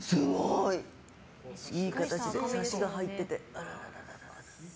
いい形で、サシが入ってて。